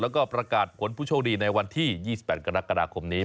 แล้วก็ประกาศผลผู้โชคดีในวันที่๒๘กรกฎาคมนี้